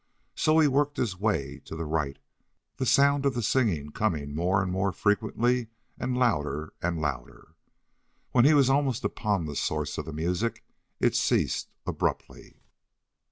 So he worked his way to the right, the sound of the singing coming more and more frequently and louder and louder. When he was almost upon the source of the music it ceased abruptly.